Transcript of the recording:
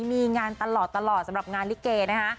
มีงานตลอดสำหรับงานลิเกนะคะ